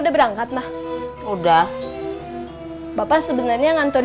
bermanfaat bahkan great